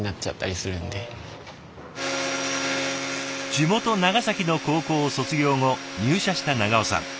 地元長崎の高校を卒業後入社した長尾さん。